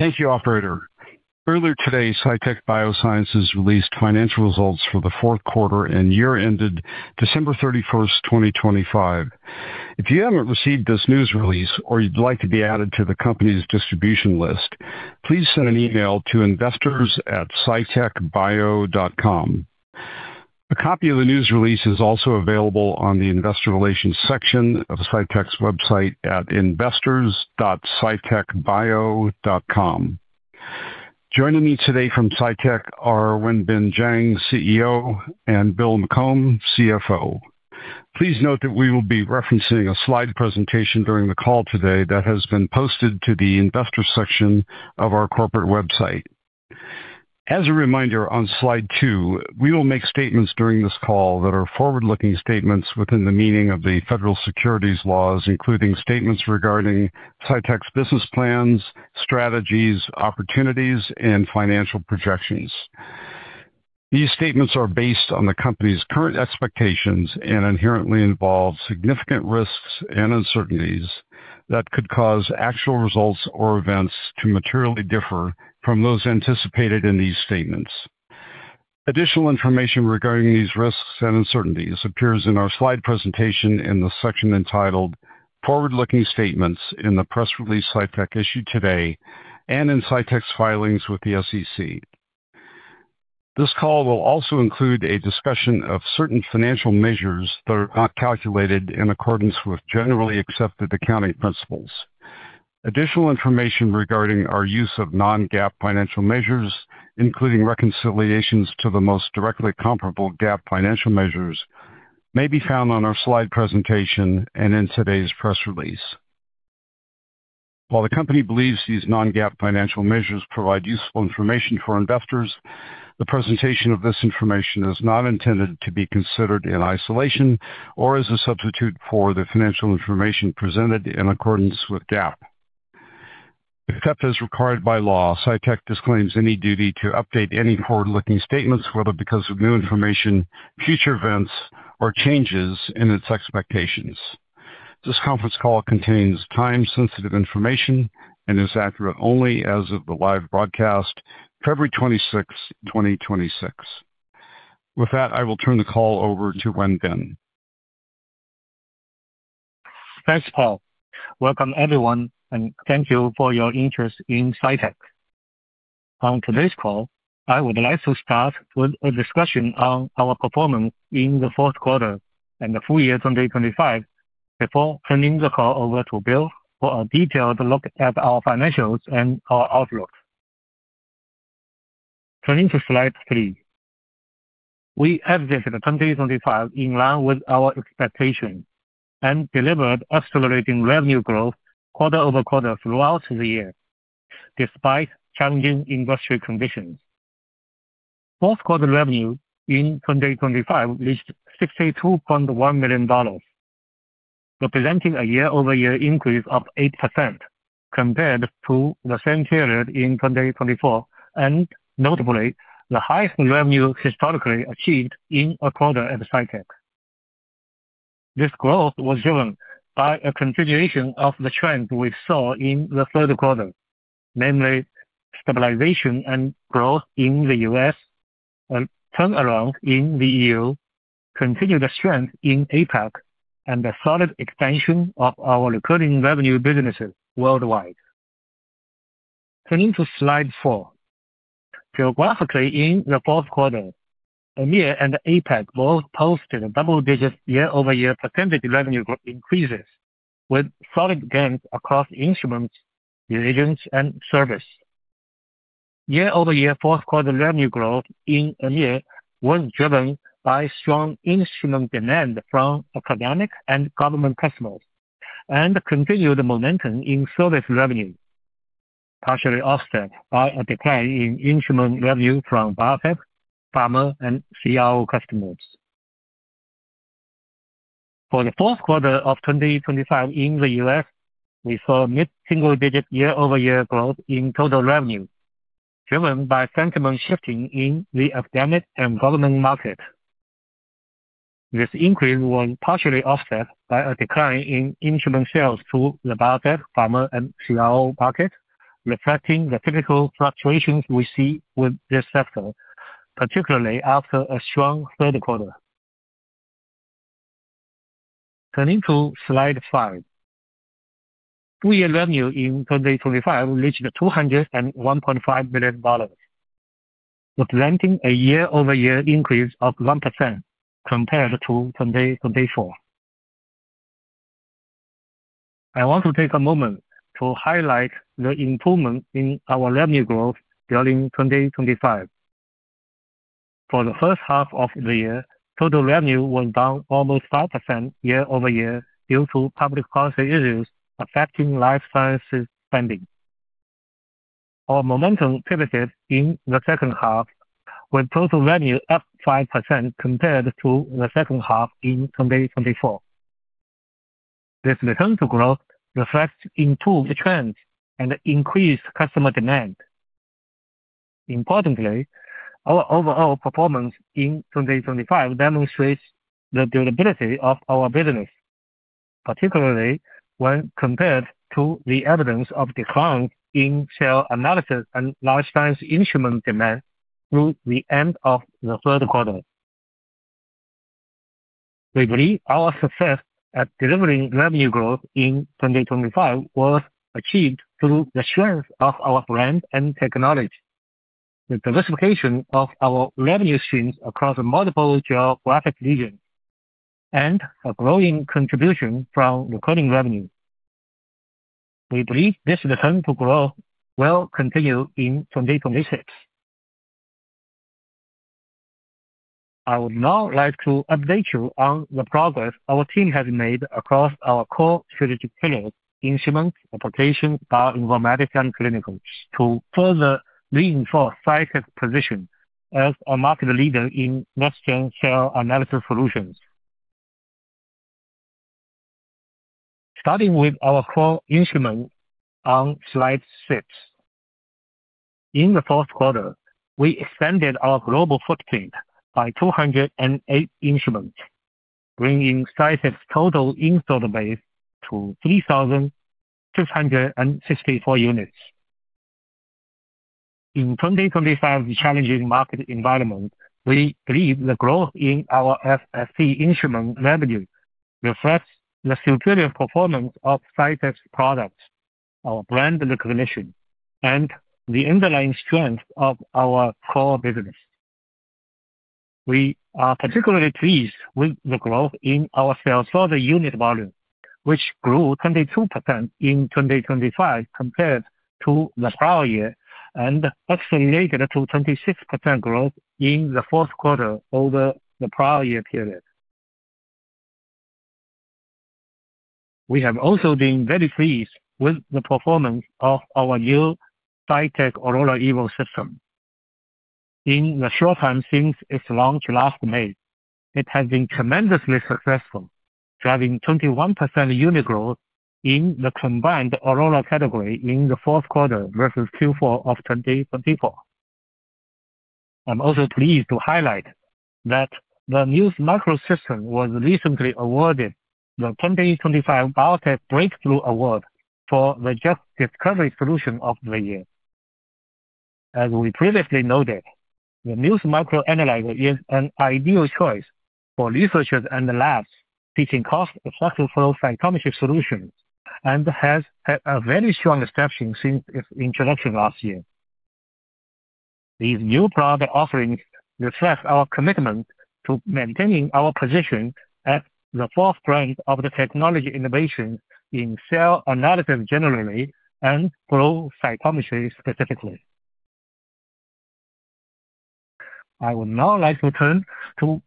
Thank you, operator. Earlier today, Cytek Biosciences released financial results for the fourth quarter and year ended December 31, 2025. If you haven't received this news release or you'd like to be added to the company's distribution list, please send an email to investors@cytekbio.com. A copy of the news release is also available on the investor relations section of Cytek's website at investors.cytekbio.com. Joining me today from Cytek are Wenbin Jiang, CEO, and Bill McCombe, CFO. Please note that we will be referencing a slide presentation during the call today that has been posted to the investor section of our corporate website. As a reminder, on Slide two, we will make statements during this call that are forward-looking statements within the meaning of the federal securities laws, including statements regarding Cytek's business plans, strategies, opportunities, and financial projections. These statements are based on the company's current expectations and inherently involve significant risks and uncertainties that could cause actual results or events to materially differ from those anticipated in these statements. Additional information regarding these risks and uncertainties appears in our slide presentation in the section entitled "Forward-Looking Statements" in the press release Cytek issued today, and in Cytek's filings with the SEC. This call will also include a discussion of certain financial measures that are not calculated in accordance with generally accepted accounting principles. Additional information regarding our use of non-GAAP financial measures, including reconciliations to the most directly comparable GAAP financial measures, may be found on our slide presentation and in today's press release. While the company believes these non-GAAP financial measures provide useful information for investors, the presentation of this information is not intended to be considered in isolation or as a substitute for the financial information presented in accordance with GAAP. Except as required by law, Cytek disclaims any duty to update any forward-looking statements, whether because of new information, future events, or changes in its expectations. This conference call contains time-sensitive information and is accurate only as of the live broadcast, February 26, 2026. With that, I will turn the call over to Wenbin. Thanks, Paul. Welcome, everyone, and thank you for your interest in Cytek. On today's call, I would like to start with a discussion on our performance in the fourth quarter and the full year 2025 before turning the call over to Bill for a detailed look at our financials and our outlook. Turning to Slide three. We ended 2025 in line with our expectations and delivered accelerating revenue growth quarter-over-quarter throughout the year, despite challenging industry conditions. Fourth quarter revenue in 2025 reached $62.1 million, representing a year-over-year increase of 8% compared to the same period in 2024, and notably, the highest revenue historically achieved in a quarter at Cytek. This growth was driven by a continuation of the trend we saw in the third quarter, namely stabilization and growth in the U.S., and turnaround in the E.U., continued strength in APAC, and the solid expansion of our recurring revenue businesses worldwide. Turning to Slide four. Geographically, in the fourth quarter, EMEA and APAC both posted a double-digit year-over-year percentage revenue growth increases, with solid gains across instruments, reagents, and service. Year-over-year fourth quarter revenue growth in EMEA was driven by strong instrument demand from academic and government customers, and continued momentum in service revenue, partially offset by a decline in instrument revenue from biotech, pharma, and CRO customers. For the fourth quarter of 2025 in the U.S., we saw mid-single digit year-over-year growth in total revenue, driven by sentiment shifting in the academic and government market. This increase was partially offset by a decline in instrument sales to the biotech, pharma, and CRO market, reflecting the typical fluctuations we see with this sector, particularly after a strong third quarter. Turning to Slide five. Full year revenue in 2025 reached $201.5 million, representing a year-over-year increase of 1% compared to 2024. I want to take a moment to highlight the improvement in our revenue growth during 2025. For the first half of the year, total revenue was down almost 5% year-over-year due to public policy issues affecting life sciences spending. Our momentum pivoted in the second half, with total revenue up 5% compared to the second half in 2024. This return to growth reflects improved trends and increased customer demand. Importantly, our overall performance in 2025 demonstrates the durability of our business, particularly when compared to the evidence of decline in cell analysis and life science instrument demand through the end of the third quarter. We believe our success at delivering revenue growth in 2025 was achieved through the strength of our brand and technology, the diversification of our revenue streams across multiple geographic regions, and a growing contribution from recurring revenue. We believe this return to growth will continue in 2026. I would now like to update you on the progress our team has made across our core strategic pillars, instrument, application, bioinformatics, and clinical, to further reinforce Cytek's position as a market leader in next-gen cell analysis solutions. Starting with our core instrument on Slide six. In the fourth quarter, we expanded our global footprint by 208 instruments, bringing Cytek's total installed base to 3,664 units. In 2025's challenging market environment, we believe the growth in our FFPE instrument revenue reflects the superior performance of Cytek's products, our brand recognition, and the underlying strength of our core business. We are particularly pleased with the growth in our sales order unit volume, which grew 22% in 2025 compared to the prior year, and accelerated to 26% growth in the fourth quarter over the prior year period. We have also been very pleased with the performance of our new Cytek Aurora Evo system. In the short time since its launch last May, it has been tremendously successful, driving 21% unit growth in the combined Aurora category in the fourth quarter versus Q4 of 2024. I'm also pleased to highlight that the Muse Micro system was recently awarded the 2025 BioTech Breakthrough Awards for the Drug Discovery Solution of the Year. As we previously noted, the Muse Micro analyzer is an ideal choice for researchers and labs seeking cost-effective flow cytometry solutions, and has had a very strong reception since its introduction last year. These new product offerings reflect our commitment to maintaining our position at the forefront of the technology innovation in cell analysis generally, and flow cytometry specifically. I would now like to turn to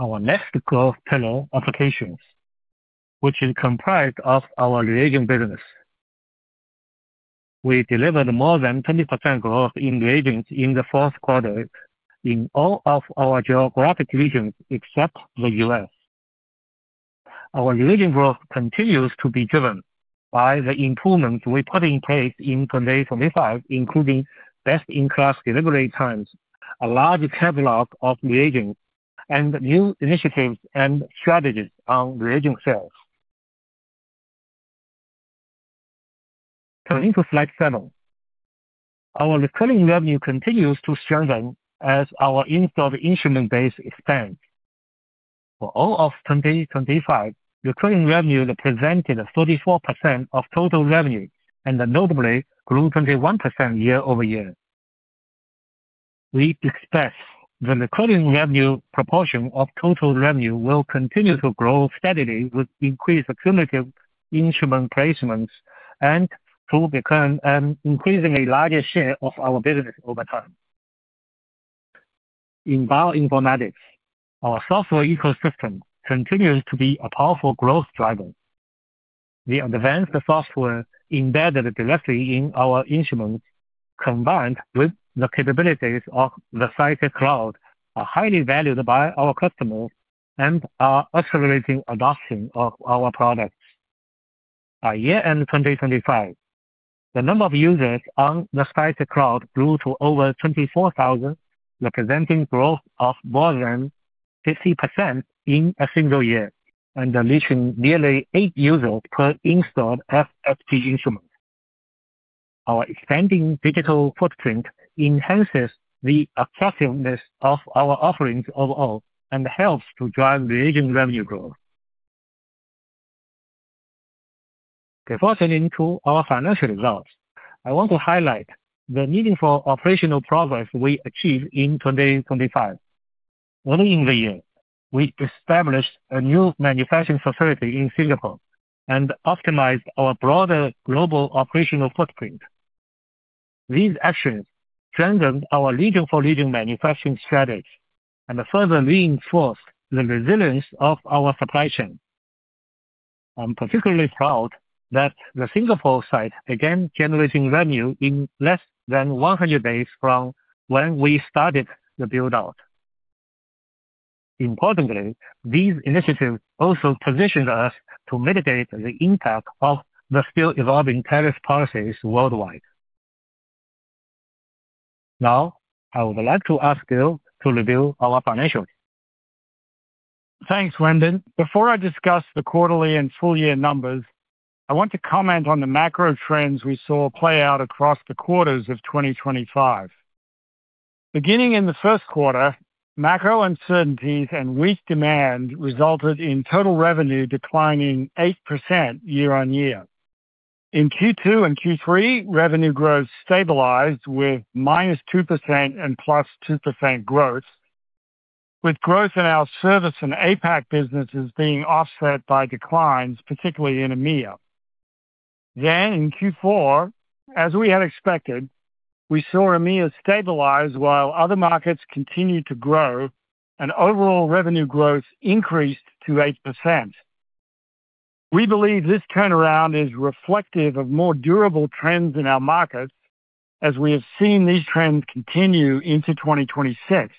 our next growth pillar, applications, which is comprised of our reagent business. We delivered more than 20% growth in reagents in the fourth quarter in all of our geographic regions except the U.S. Our reagent growth continues to be driven by the improvements we put in place in 2025, including best-in-class delivery times, a large catalog of reagents, and new initiatives and strategies on reagent sales. Turning to Slide seven. Our recurring revenue continues to strengthen as our installed instrument base expands. For all of 2025, recurring revenue represented 34% of total revenue, and notably grew 21% year-over-year. We expect the recurring revenue proportion of total revenue will continue to grow steadily with increased cumulative instrument placements, and to become an increasingly larger share of our business over time. In bioinformatics, our software ecosystem continues to be a powerful growth driver. The advanced software embedded directly in our instruments, combined with the capabilities of the Cytek Cloud, are highly valued by our customers and are accelerating adoption of our products. By year-end 2025, the number of users on the Cytek Cloud grew to over 24,000, representing growth of more than 50% in a single year, and reaching nearly eight users per installed FFPE instrument. Our expanding digital footprint enhances the attractiveness of our offerings overall and helps to drive reagent revenue growth. Before turning to our financial results, I want to highlight the meaningful operational progress we achieved in 2025. Early in the year, we established a new manufacturing facility in Singapore and optimized our broader global operational footprint. These actions strengthened our regional manufacturing strategy and further reinforced the resilience of our supply chain. I'm particularly proud that the Singapore site began generating revenue in less than 100 days from when we started the build-out. Importantly, these initiatives also positioned us to mitigate the impact of the still evolving tariff policies worldwide. I would like to ask Bill to review our financials. Thanks, Wenbin. Before I discuss the quarterly and full year numbers, I want to comment on the macro trends we saw play out across the quarters of 2025. Beginning in the first quarter, macro uncertainties and weak demand resulted in total revenue declining 8% year-on-year. In Q2 and Q3, revenue growth stabilized with -2% and +2% growth, with growth in our service and APAC businesses being offset by declines, particularly in EMEA. In Q4, as we had expected, we saw EMEA stabilize while other markets continued to grow and overall revenue growth increased to 8%. We believe this turnaround is reflective of more durable trends in our markets as we have seen these trends continue into 2026,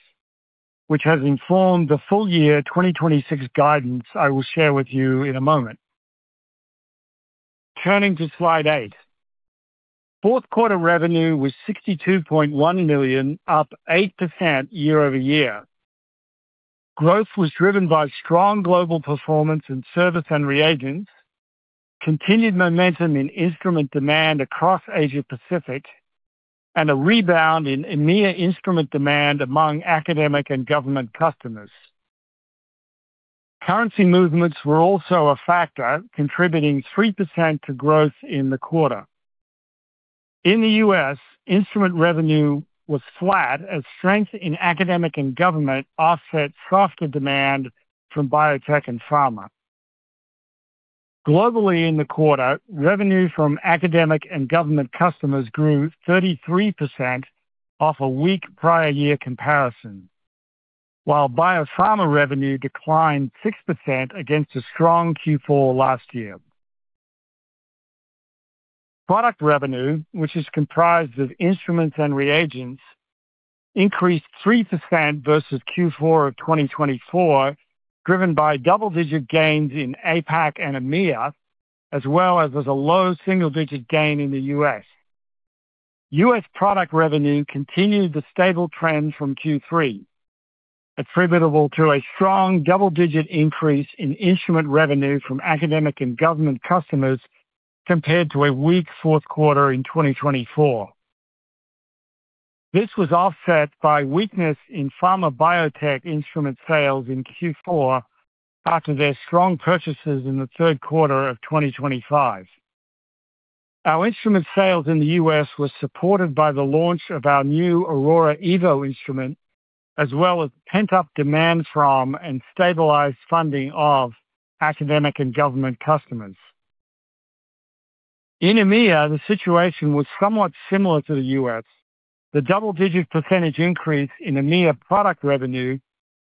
which has informed the full year 2026 guidance I will share with you in a moment. Turning to Slide eight. Fourth quarter revenue was $62.1 million, up 8% year-over-year. Growth was driven by strong global performance in service and reagents, continued momentum in instrument demand across Asia Pacific, and a rebound in EMEA instrument demand among academic and government customers. Currency movements were also a factor, contributing 3% to growth in the quarter. In the U.S., instrument revenue was flat as strength in academic and government offset softer demand from biotech and pharma. Globally in the quarter, revenue from academic and government customers grew 33% off a weak prior year comparison, while biopharma revenue declined 6% against a strong Q4 last year. Product revenue, which is comprised of instruments and reagents, increased 3% versus Q4 of 2024, driven by double-digit gains in APAC and EMEA, as well as a low single-digit gain in the U.S. U.S. product revenue continued the stable trend from Q3, attributable to a strong double-digit increase in instrument revenue from academic and government customers compared to a weak fourth quarter in 2024. This was offset by weakness in pharma biotech instrument sales in Q4 after their strong purchases in the third quarter of 2025. Our instrument sales in the U.S. were supported by the launch of our new Aurora Evo instrument, as well as pent-up demand from, and stabilized funding of, academic and government customers. In EMEA, the situation was somewhat similar to the U.S. The double-digit percentage increase in EMEA product revenue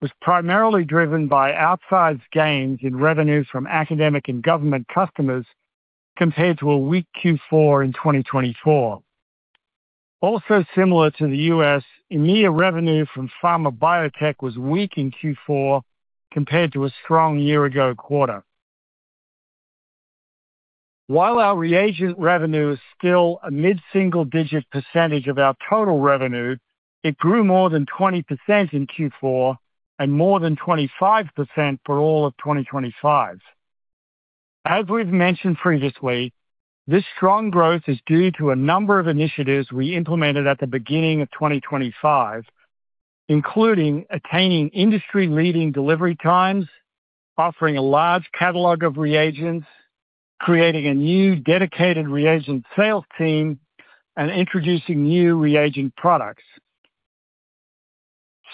was primarily driven by outsized gains in revenues from academic and government customers compared to a weak Q4 in 2024. Also similar to the U.S., EMEA revenue from pharma biotech was weak in Q4 compared to a strong year ago quarter. While our reagent revenue is still a mid-single digit percentage of our total revenue, it grew more than 20% in Q4 and more than 25% for all of 2025. As we've mentioned previously, this strong growth is due to a number of initiatives we implemented at the beginning of 2025, including attaining industry-leading delivery times, offering a large catalog of reagents, creating a new dedicated reagent sales team, and introducing new reagent products.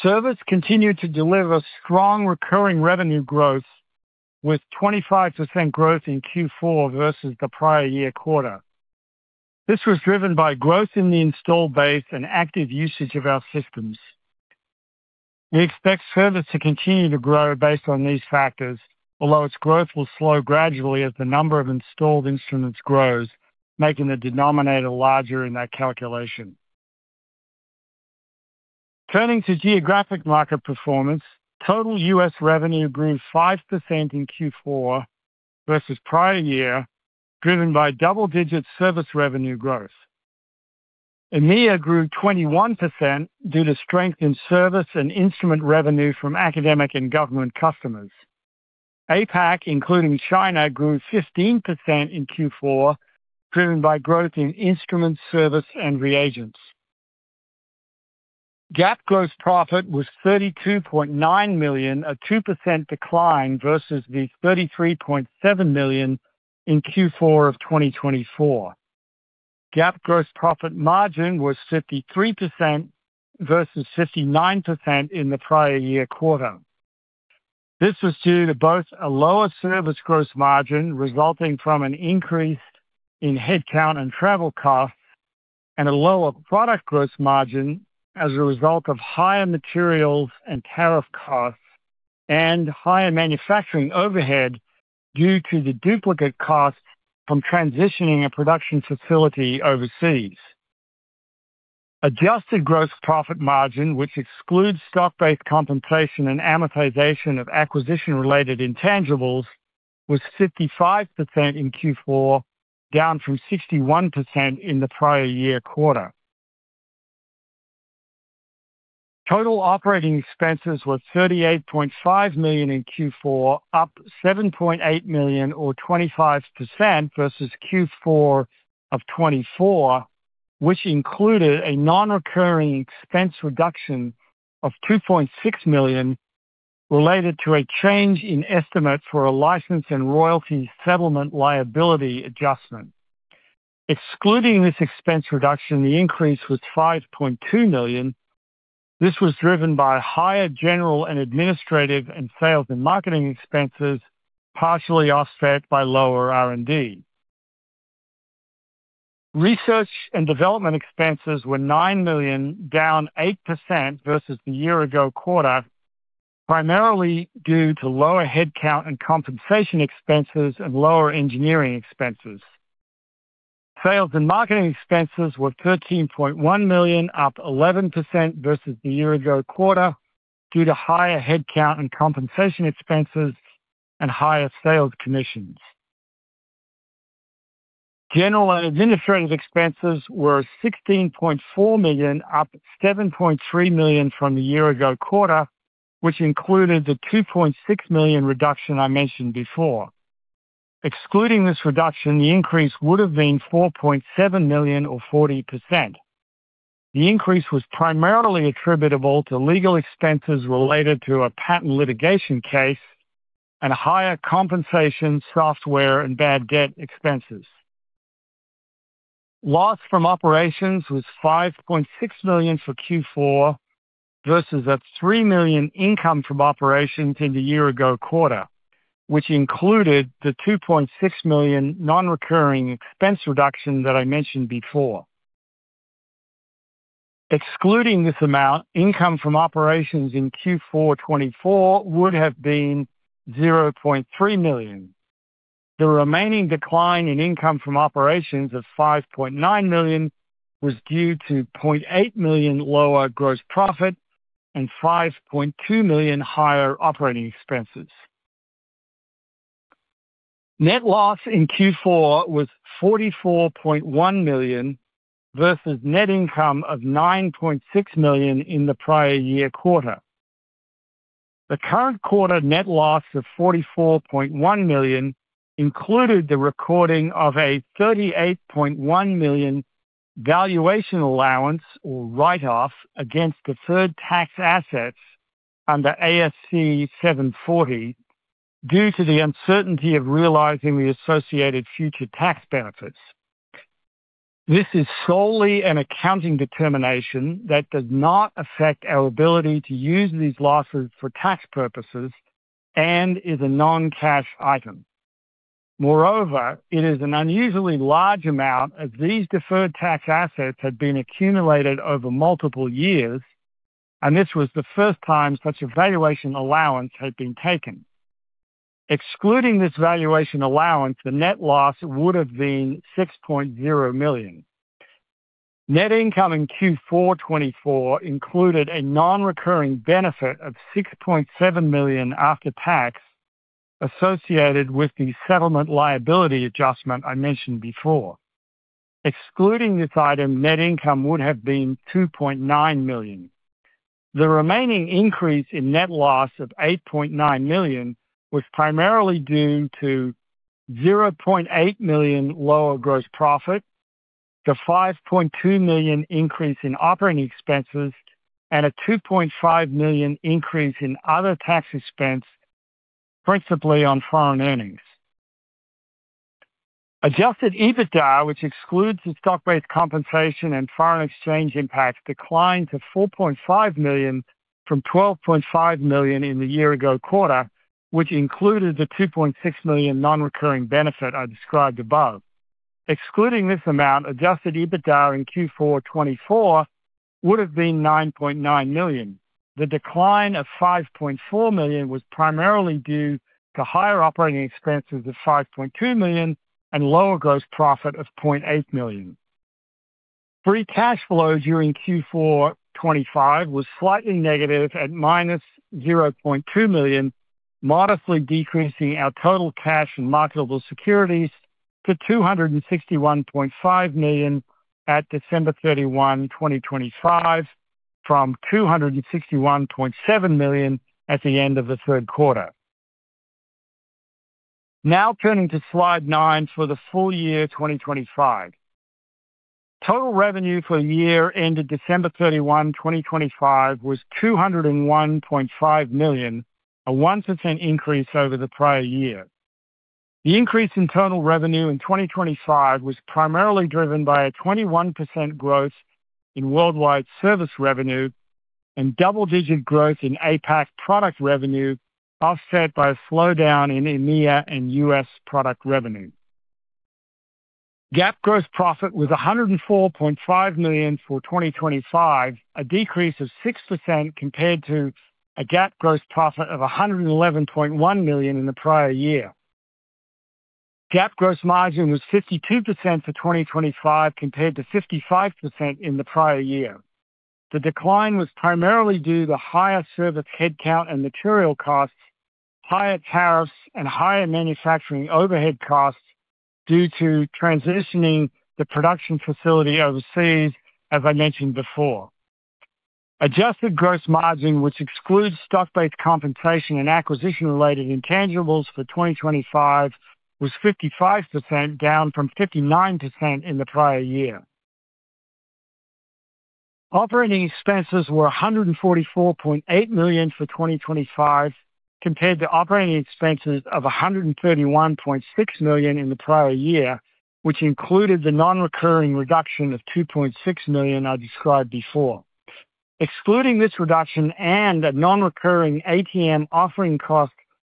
Service continued to deliver strong recurring revenue growth, with 25% growth in Q4 versus the prior year quarter. This was driven by growth in the installed base and active usage of our systems. We expect service to continue to grow based on these factors, although its growth will slow gradually as the number of installed instruments grows, making the denominator larger in that calculation. Turning to geographic market performance, total U.S. revenue grew 5% in Q4 versus prior year, driven by double-digit service revenue growth. EMEA grew 21% due to strength in service and instrument revenue from academic and government customers. APAC, including China, grew 15% in Q4, driven by growth in instruments, service, and reagents. GAAP gross profit was $32.9 million, a 2% decline versus the $33.7 million in Q4 of 2024. GAAP gross profit margin was 53% versus 59% in the prior year quarter. This was due to both a lower service gross margin, resulting from an increase in headcount and travel costs, and a lower product gross margin as a result of higher materials and tariff costs, and higher manufacturing overhead due to the duplicate costs from transitioning a production facility overseas. Adjusted gross profit margin, which excludes stock-based compensation and amortization of acquisition-related intangibles, was 55% in Q4, down from 61% in the prior year quarter. Total operating expenses were $38.5 million in Q4, up $7.8 million or 25% versus Q4 of 2024, which included a non-recurring expense reduction of $2.6 million related to a change in estimate for a license and royalty settlement liability adjustment. Excluding this expense reduction, the increase was $5.2 million. This was driven by higher general and administrative and sales and marketing expenses, partially offset by lower R&D. Research and development expenses were $9 million, down 8% versus the year ago quarter, primarily due to lower headcount and compensation expenses and lower engineering expenses. Sales and marketing expenses were $13.1 million, up 11% versus the year ago quarter, due to higher headcount and compensation expenses and higher sales commissions. General and administrative expenses were $16.4 million, up $7.3 million from the year ago quarter, which included the $2.6 million reduction I mentioned before. Excluding this reduction, the increase would have been $4.7 million or 40%. The increase was primarily attributable to legal expenses related to a patent litigation case and higher compensation, software, and bad debt expenses. Loss from operations was $5.6 million for Q4 versus a $3 million income from operations in the year ago quarter, which included the $2.6 million non-recurring expense reduction that I mentioned before. Excluding this amount, income from operations in Q4 2024 would have been $0.3 million. The remaining decline in income from operations of $5.9 million was due to $0.8 million lower gross profit and $5.2 million higher operating expenses. Net loss in Q4 was $44.1 million versus net income of $9.6 million in the prior year quarter. The current quarter net loss of $44.1 million included the recording of a $38.1 million valuation allowance, or write-off, against deferred tax assets under ASC 740 due to the uncertainty of realizing the associated future tax benefits. This is solely an accounting determination that does not affect our ability to use these losses for tax purposes and is a non-cash item. Moreover, it is an unusually large amount, as these deferred tax assets had been accumulated over multiple years, and this was the first time such a valuation allowance had been taken. Excluding this valuation allowance, the net loss would have been $6.0 million. Net income in Q4 2024 included a non-recurring benefit of $6.7 million after tax associated with the settlement liability adjustment I mentioned before. Excluding this item, net income would have been $2.9 million. The remaining increase in net loss of $8.9 million was primarily due to $0.8 million lower gross profit, the $5.2 million increase in operating expenses, and a $2.5 million increase in other tax expense, principally on foreign earnings. Adjusted EBITDA, which excludes the stock-based compensation and foreign exchange impact, declined to $4.5 million from $12.5 million in the year ago quarter, which included the $2.6 million non-recurring benefit I described above. Excluding this amount, Adjusted EBITDA in Q4 2024 would have been $9.9 million. The decline of $5.4 million was primarily due to higher operating expenses of $5.2 million and lower gross profit of $0.8 million. Free cash flow during Q4 2025 was slightly negative, at -$0.2 million, modestly decreasing our total cash and marketable securities to $261.5 million at December 31, 2025, from $261.7 million at the end of the third quarter. Turning to Slide nine for the full year 2025. Total revenue for the year ended December 31, 2025, was $201.5 million, a 1% increase over the prior year. The increase in total revenue in 2025 was primarily driven by a 21% growth in worldwide service revenue and double-digit growth in APAC product revenue, offset by a slowdown in EMEA and U.S. product revenue. GAAP gross profit was $104.5 million for 2025, a decrease of 6% compared to a GAAP gross profit of $111.1 million in the prior year. GAAP gross margin was 52% for 2025, compared to 55% in the prior year. The decline was primarily due to higher service headcount and material costs, higher tariffs, and higher manufacturing overhead costs due to transitioning the production facility overseas as I mentioned before. Adjusted gross margin, which excludes stock-based compensation and acquisition-related intangibles for 2025, was 55%, down from 59% in the prior year. Operating expenses were $144.8 million for 2025, compared to operating expenses of $131.6 million in the prior year, which included the non-recurring reduction of $2.6 million I described before. Excluding this reduction and a non-recurring ATM offering cost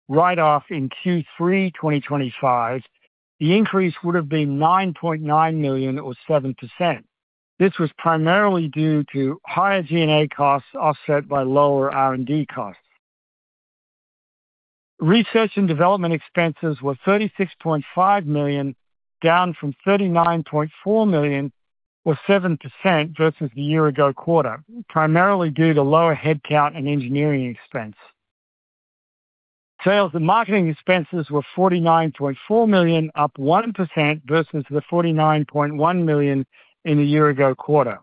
write-off in Q3 2025, the increase would have been $9.9 million or 7%. This was primarily due to higher G&A costs, offset by lower R&D costs. Research and development expenses were $36.5 million, down from $39.4 million, or 7% versus the year-ago quarter, primarily due to lower headcount and engineering expense. Sales and marketing expenses were $49.4 million, up 1% versus the $49.1 million in the year-ago quarter.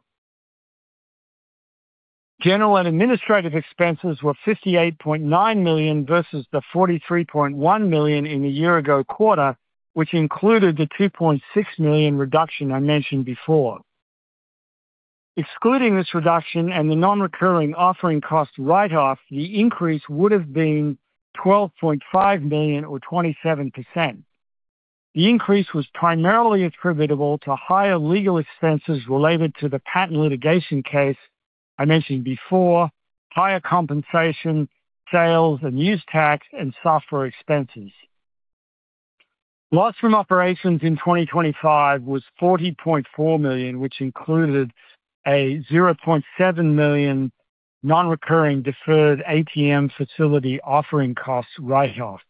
General and administrative expenses were $58.9 million versus the $43.1 million in the year-ago quarter, which included the $2.6 million reduction I mentioned before. Excluding this reduction and the non-recurring offering cost write-off, the increase would have been $12.5 million or 27%. The increase was primarily attributable to higher legal expenses related to the patent litigation case I mentioned before, higher compensation, sales and use tax, and software expenses. Loss from operations in 2025 was $40.4 million, which included a $0.7 million non-recurring deferred ATM facility offering costs write-off.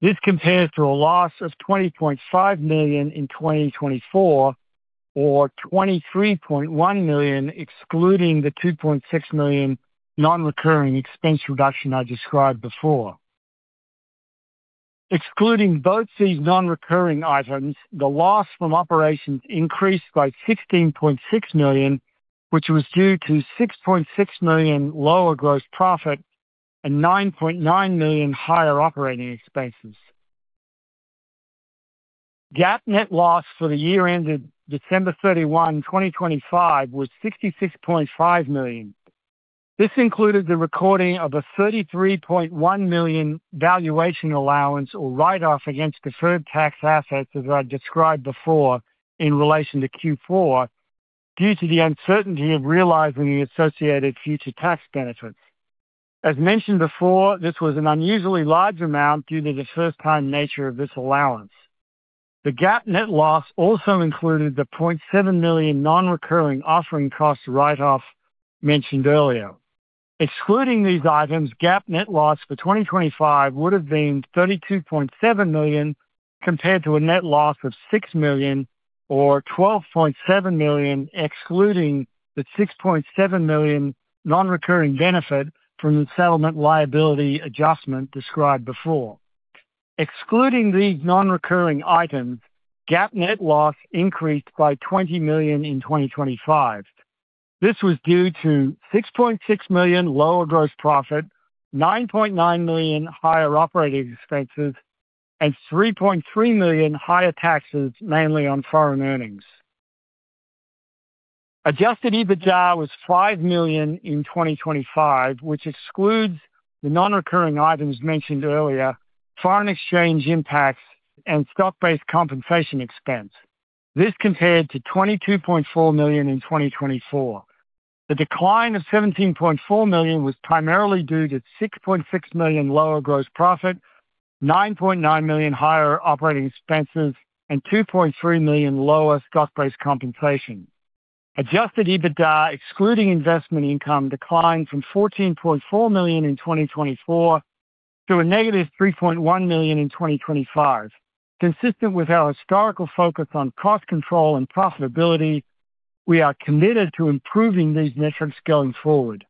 This compares to a loss of $20.5 million in 2024 or $23.1 million, excluding the $2.6 million non-recurring expense reduction I described before. Excluding both these non-recurring items, the loss from operations increased by $16.6 million, which was due to $6.6 million lower gross profit and $9.9 million higher operating expenses. GAAP net loss for the year ended December 31, 2025, was $66.5 million. This included the recording of a $33.1 million valuation allowance or write-off against deferred tax assets, as I described before, in relation to Q4, due to the uncertainty of realizing the associated future tax benefits. As mentioned before, this was an unusually large amount due to the first-time nature of this allowance. The GAAP net loss also included the $0.7 million non-recurring offering cost write-off mentioned earlier. Excluding these items, GAAP net loss for 2025 would have been $32.7 million, compared to a net loss of $6 million or $12.7 million, excluding the $6.7 million non-recurring benefit from the settlement liability adjustment described before. Excluding these non-recurring items, GAAP net loss increased by $20 million in 2025. This was due to $6.6 million lower gross profit, $9.9 million higher operating expenses, and $3.3 million higher taxes, mainly on foreign earnings. Adjusted EBITDA was $5 million in 2025, which excludes the non-recurring items mentioned earlier, foreign exchange impacts, and stock-based compensation expense. This compared to $22.4 million in 2024. The decline of $17.4 million was primarily due to $6.6 million lower gross profit, $9.9 million higher operating expenses, and $2.3 million lower stock-based compensation. Adjusted EBITDA, excluding investment income, declined from $14.4 million in 2024 to a negative $3.1 million in 2025. Consistent with our historical focus on cost control and profitability, we are committed to improving these metrics going forward.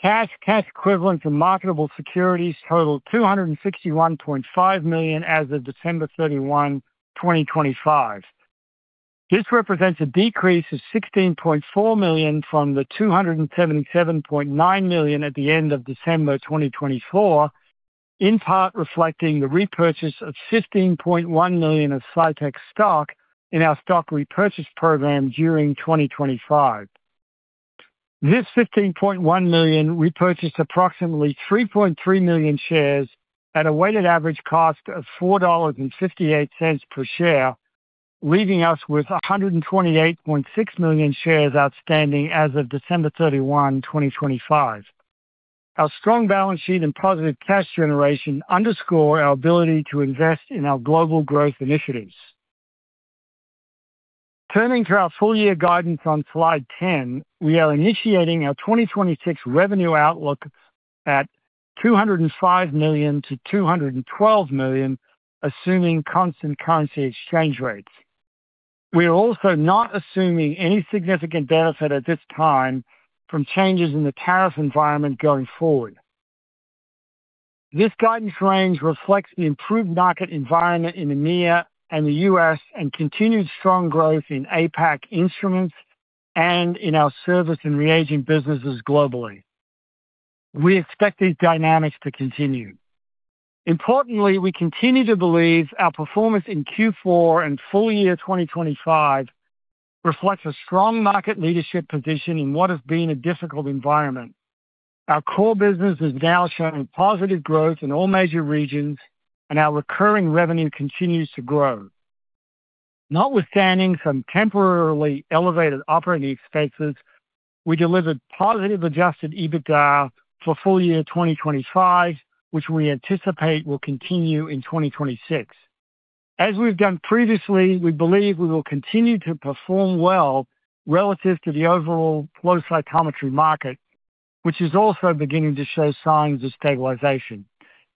Cash, cash equivalents, and marketable securities totaled $261.5 million as of December 31, 2025. This represents a decrease of $16.4 million from the $277.9 million at the end of December 2024, in part reflecting the repurchase of $15.1 million of Cytek stock in our stock repurchase program during 2025. This $15.1 million repurchased approximately 3.3 million shares at a weighted average cost of $4.58 per share, leaving us with 128.6 million shares outstanding as of December 31, 2025. Our strong balance sheet and positive cash generation underscore our ability to invest in our global growth initiatives. Turning to our full year guidance on Slide 10, we are initiating our 2026 revenue outlook at $205 million-$212 million, assuming constant currency exchange rates. We are also not assuming any significant benefit at this time from changes in the tariff environment going forward. This guidance range reflects the improved market environment in EMEA and the U.S., and continued strong growth in APAC instruments and in our service and reagent businesses globally. We expect these dynamics to continue. Importantly, we continue to believe our performance in Q4 and full year 2025 reflects a strong market leadership position in what has been a difficult environment. Our core business is now showing positive growth in all major regions, and our recurring revenue continues to grow. Notwithstanding some temporarily elevated operating expenses, we delivered positive Adjusted EBITDA for full year 2025, which we anticipate will continue in 2026. As we've done previously, we believe we will continue to perform well relative to the overall flow cytometry market, which is also beginning to show signs of stabilization.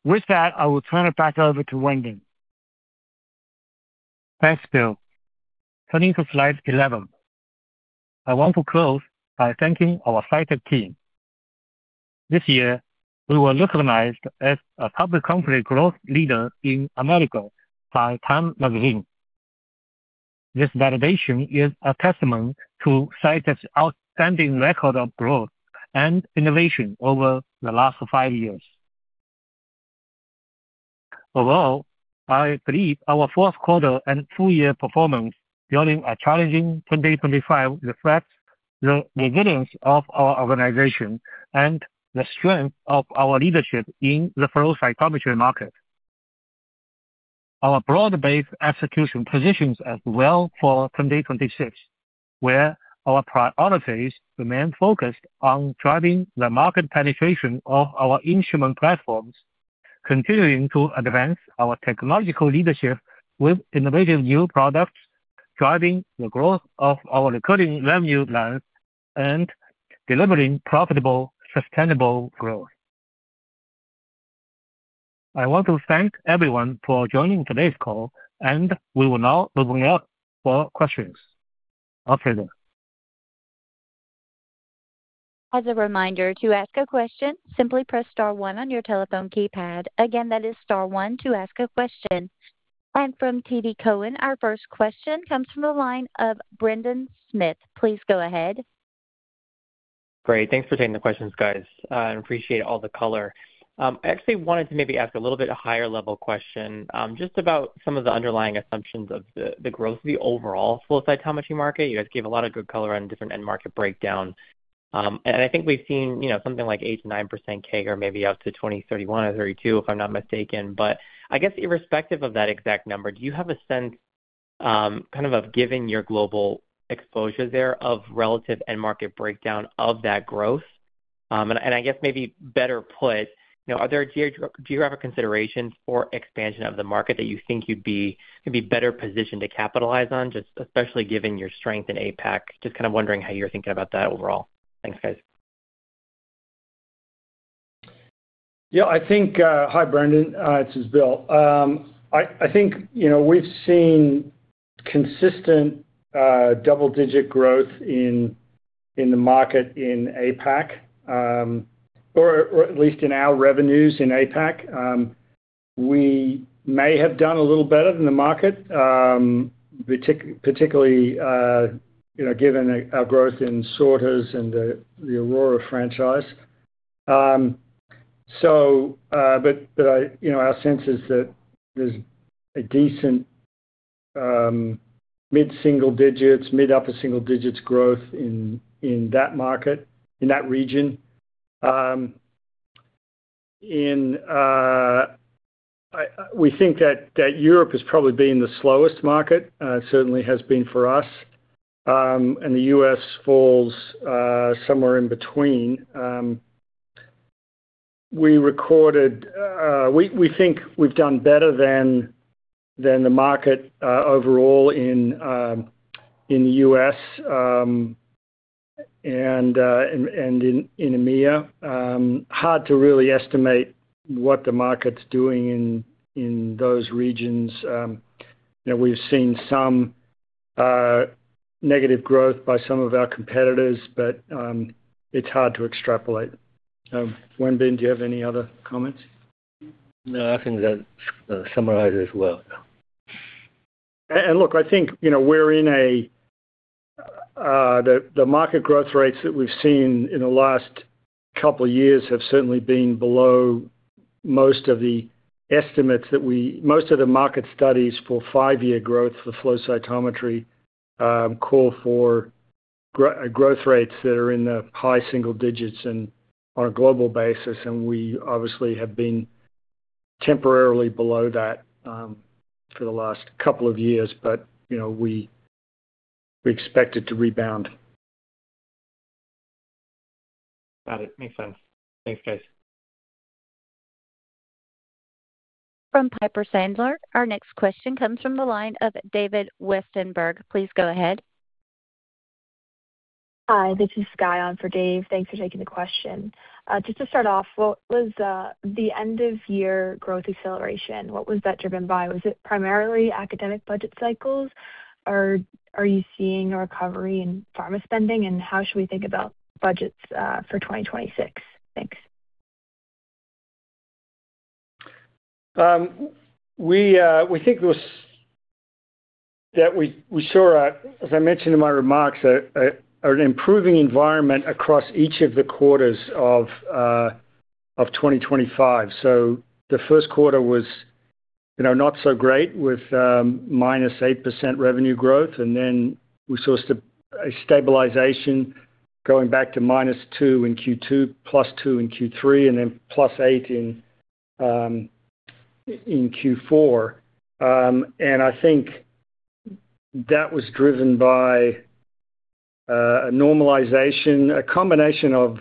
With that, I will turn it back over to Wenbin. Thanks, Bill. Turning to Slide 11. I want to close by thanking our Cytek team. This year, we were recognized as a public company growth leader in America by TIME Magazine. This validation is a testament to Cytek's outstanding record of growth and innovation over the last five years. Overall, I believe our fourth quarter and full year performance during a challenging 2025, reflects the resilience of our organization and the strength of our leadership in the flow cytometry market. Our broad-based execution positions as well for 2026, where our priorities remain focused on driving the market penetration of our instrument platforms, continuing to advance our technological leadership with innovative new products, driving the growth of our recurring revenue lines, and delivering profitable, sustainable growth. I want to thank everyone for joining today's call, and we will now open it up for questions. Operator? As a reminder, to ask a question, simply press star one on your telephone keypad. Again, that is star one to ask a question. From TD Cowen, our first question comes from the line of Brendan Smith. Please go ahead. Great. Thanks for taking the questions, guys, I appreciate all the color. I actually wanted to maybe ask a little bit higher level question, just about some of the underlying assumptions of the growth of the overall flow cytometry market. You guys gave a lot of good color on different end market breakdown. I think we've seen, you know, something like 8%-9% CAGR, maybe out to 2031 or 2032, if I'm not mistaken. I guess irrespective of that exact number, do you have a sense, kind of giving your global exposure there of relative end market breakdown of that growth? I guess maybe better put, you know, are there geographic considerations for expansion of the market that you think you'd be, could be better positioned to capitalize on, just especially given your strength in APAC? Just kind of wondering how you're thinking about that overall. Thanks, guys. Yeah, I think. Hi, Brendan, this is Bill. I think, you know, we've seen consistent double-digit growth in the market in APAC, or at least in our revenues in APAC. We may have done a little better than the market, particularly, you know, given our growth in sorters and the Aurora franchise. I, you know, our sense is that there's a decent mid-single digits, mid-upper single digits growth in that market, in that region. I, we think that Europe has probably been the slowest market, certainly has been for us, the U.S. falls somewhere in between. We recorded, we think we've done better than the market overall in the U.S. and in EMEA. Hard to really estimate what the market's doing in those regions. You know, we've seen some negative growth by some of our competitors, but it's hard to extrapolate. Wenbin, do you have any other comments? No, I think that summarizes well. look, I think, you know, we're in a, the market growth rates that we've seen in the last couple of years have certainly been below most of the estimates most of the market studies for five-year growth for flow cytometry, call for growth rates that are in the high single digits and on a global basis, and we obviously have been temporarily below that, for the last couple of years. You know, we expect it to rebound. Got it! Makes sense. Thanks, guys. From Piper Sandler. Our next question comes from the line of David Westenberg. Please go ahead. Hi, this is Skye on for David. Thanks for taking the question. just to start off, what was the end-of-year growth acceleration, what was that driven by? Was it primarily academic budget cycles, or are you seeing a recovery in pharma spending? How should we think about budgets for 2026? Thanks. We saw, as I mentioned in my remarks, an improving environment across each of the quarters of 2025. The first quarter was, you know, not so great with -8% revenue growth. We saw a stabilization going back to -2% in Q2, +2% in Q3, and then +8% in Q4. I think that was driven by a normalization, a combination of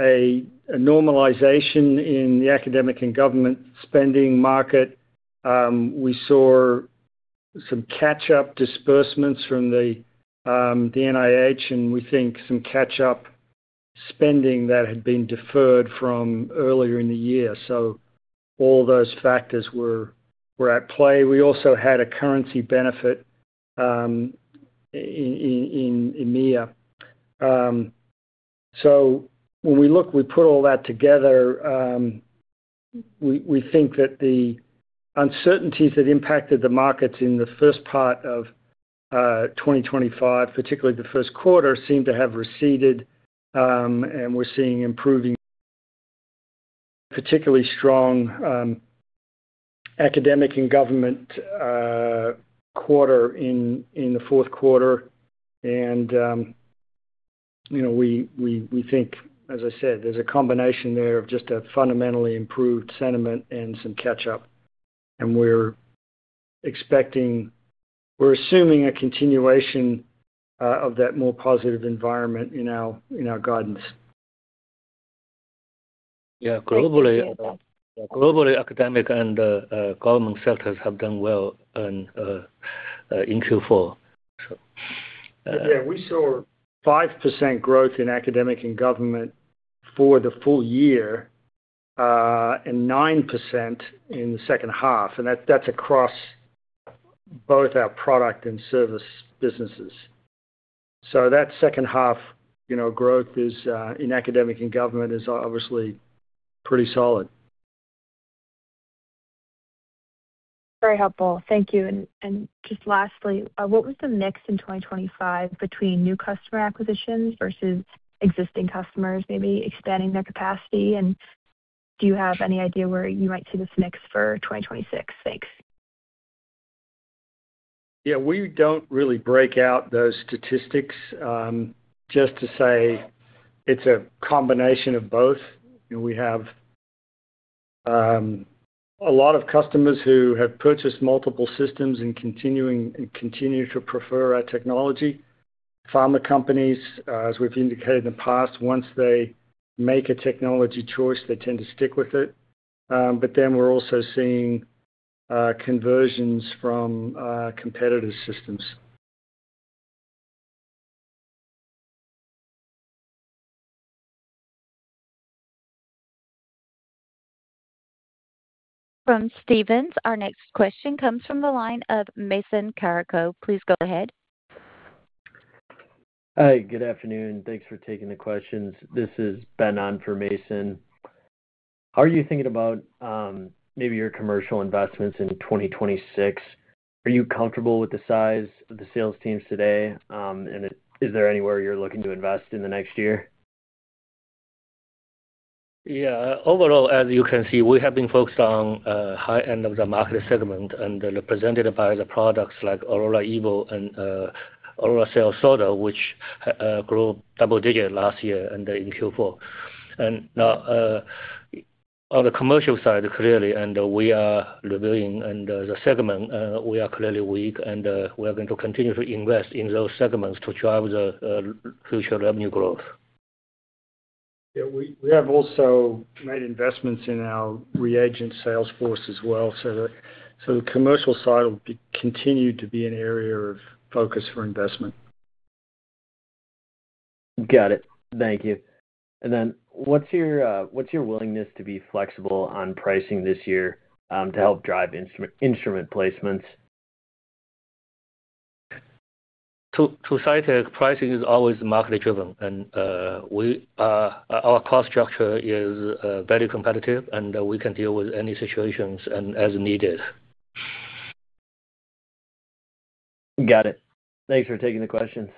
a normalization in the academic and government spending market. We saw some catch-up disbursements from the NIH and we think some catch-up spending that had been deferred from earlier in the year. All those factors were at play. We also had a currency benefit in EMEA. When we look, we put all that together, we think that the uncertainties that impacted the markets in the first part of 2025, particularly the first quarter, seem to have receded, and we're seeing improving. Particularly strong, academic and government, quarter in the fourth quarter. You know, we think, as I said, there's a combination there of just a fundamentally improved sentiment and some catch-up, and we're assuming a continuation of that more positive environment in our, in our guidance. Yeah. Thank you. Globally, academic and government sectors have done well in Q4. We saw 5% growth in academic and government for the full year, and 9% in the second half, and that's across both our product and service businesses. That second-half, you know, growth is, in academic and government is obviously pretty solid. Very helpful. Thank you. Just lastly, what was the mix in 2025 between new customer acquisitions versus existing customers maybe expanding their capacity? Do you have any idea where you might see this mix for 2026? Thanks. Yeah, we don't really break out those statistics. Just to say it's a combination of both. You know, we have a lot of customers who have purchased multiple systems and continue to prefer our technology. Pharma companies, as we've indicated in the past, once they make a technology choice, they tend to stick with it. We're also seeing conversions from competitive systems. From Stephens. Our next question comes from the line of Mason Carrico. Please go ahead. Hi, good afternoon. Thanks for taking the questions. This is Ben on for Mason. How are you thinking about, maybe your commercial investments in 2026? Are you comfortable with the size of the sales teams today? Is there anywhere you're looking to invest in the next year? Yeah. Overall, as you can see, we have been focused on high end of the market segment and represented by the products like Aurora Evo and Aurora Cell Sorter, which grew double digits last year and in Q4. Now, on the commercial side, clearly, we are reviewing the segment, we are clearly weak and we are going to continue to invest in those segments to drive the future revenue growth. Yeah, we have also made investments in our reagent sales force as well. The commercial side will be, continue to be an area of focus for investment. Got it. Thank you. What's your willingness to be flexible on pricing this year to help drive instrument placements? To Cytek, pricing is always market driven and we our cost structure is very competitive, and we can deal with any situations and as needed. Got it. Thanks for taking the questions.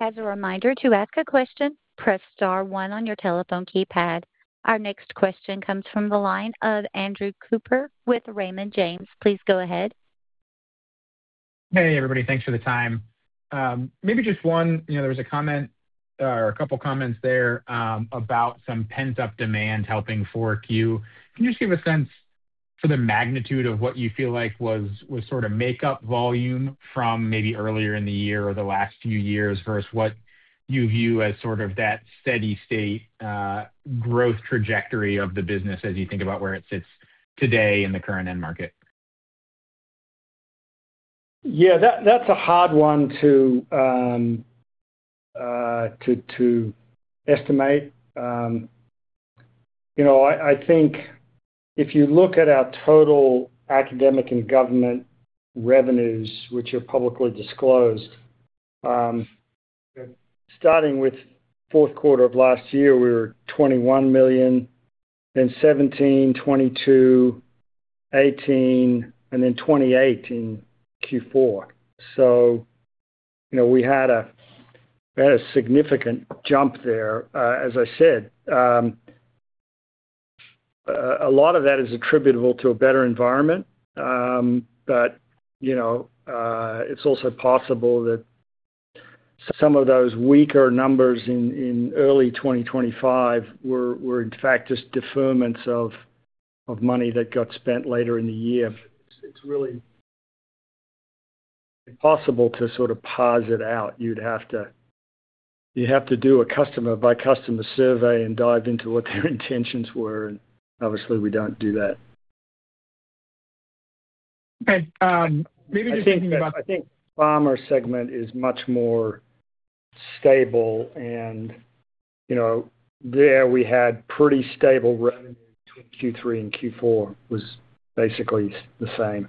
As a reminder, to ask a question, press star one on your telephone keypad. Our next question comes from the line of Andrew Cooper with Raymond James. Please go ahead. Hey, everybody, thanks for the time. maybe just one, you know, there was a comment or a couple of comments there, about some pent-up demand helping 4Q. Can you just give a sense for the magnitude of what you feel like was sort of make up volume from maybe earlier in the year or the last few years, versus what you view as sort of that steady state growth trajectory of the business as you think about where it sits today in the current end market? Yeah, that's a hard one to estimate. You know, I think if you look at our total academic and government revenues, which are publicly disclosed, starting with fourth quarter of last year, we were $21 million, then $17 million, $22 million, $18 million, and then $28 million in Q4. You know, we had a significant jump there. As I said, a lot of that is attributable to a better environment. You know, it's also possible that some of those weaker numbers in early 2025 were in fact, just deferments of money that got spent later in the year. It's really possible to sort of pause it out. You'd have to do a customer-by-customer survey and dive into what their intentions were, and obviously, we don't do that. Okay, maybe just thinking about. I think pharma segment is much more stable, and, you know, there we had pretty stable revenue between Q3 and Q4, was basically the same.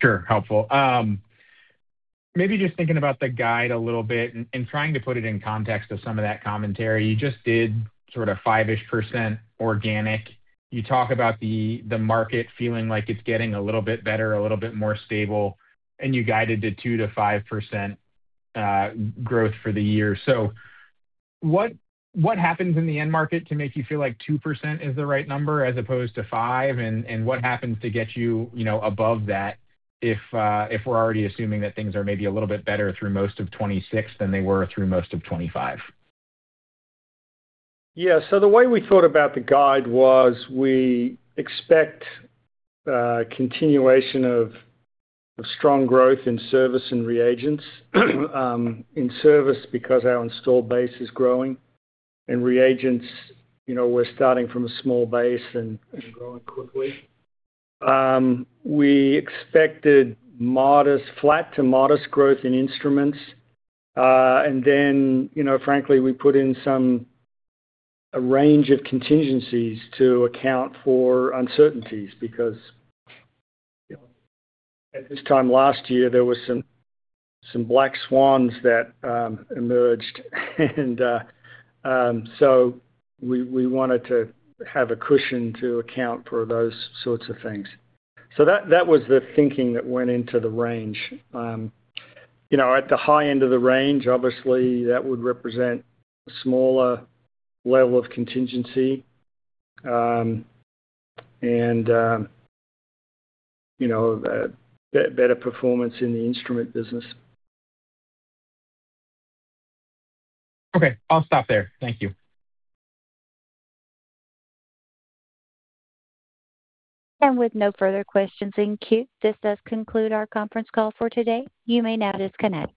Sure, helpful. Maybe just thinking about the guide a little bit and trying to put it in context of some of that commentary. You just did sort of 5%-ish organic. You talk about the market feeling like it's getting a little bit better, a little bit more stable, and you guided to 2%-5% growth for the year. What happens in the end market to make you feel like 2% is the right number as opposed to 5%? What happens to get you know, above that if we're already assuming that things are maybe a little bit better through most of 2026 than they were through most of 2025? Yeah. The way we thought about the guide was, we expect continuation of strong growth in service and reagents. In service, because our installed base is growing, and reagents, you know, we're starting from a small base and growing quickly. We expected modest, flat to modest growth in instruments. Then, you know, frankly, we put in a range of contingencies to account for uncertainties, because, you know, at this time last year, there were some black swans that emerged. We wanted to have a cushion to account for those sorts of things. That was the thinking that went into the range. You know, at the high end of the range, obviously, that would represent a smaller level of contingency, and, you know, better performance in the instrument business. Okay, I'll stop there. Thank you. With no further questions in queue, this does conclude our conference call for today. You may now disconnect.